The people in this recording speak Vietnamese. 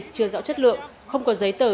chưa rõ chất lượng không có giấy tờ